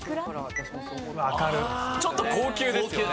ちょっと高級ですよね。